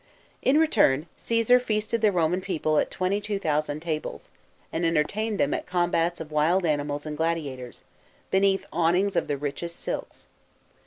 In return Caesar feasted the Iloman people at twenty two thousand tables, and entertained them at combats of wild animals and gladiators, beneath awnings of the richest silks.